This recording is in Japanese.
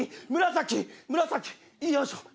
紫紫よいしょ。